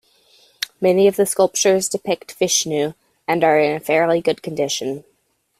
Many of the sculptures depict Vishnu, and are in a fairly good condition.